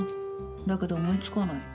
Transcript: だけど、思いつかないの！